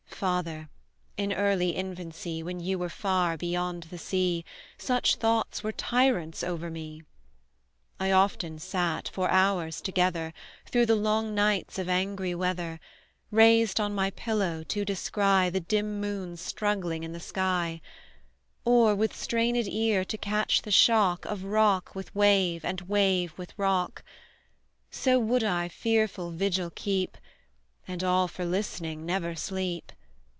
"Father, in early infancy, When you were far beyond the sea, Such thoughts were tyrants over me! I often sat, for hours together, Through the long nights of angry weather, Raised on my pillow, to descry The dim moon struggling in the sky; Or, with strained ear, to catch the shock, Of rock with wave, and wave with rock; So would I fearful vigil keep, And, all for listening, never sleep.